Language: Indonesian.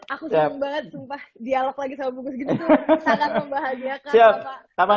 aku senang banget sumpah dialog lagi sama bungkus gini tuh sangat membahagiakan bapak